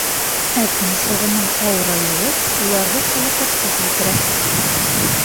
Ә томшоғоноң ауырайыуы уларҙы һәләкәткә килтерә.